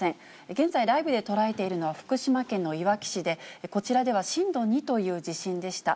現在、ライブで捉えているのは福島県のいわき市で、こちらでは震度２という地震でした。